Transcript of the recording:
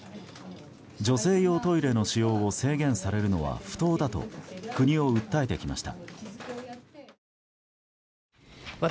女性用トイレの使用を制限されるのは不当だと国を訴えてきました。